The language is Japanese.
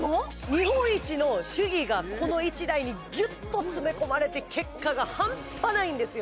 日本一の手技がこの１台にギュッと詰め込まれて結果が半端ないんですよ